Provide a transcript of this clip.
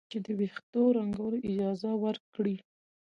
چې د ویښتو د رنګولو اجازه ورکړي.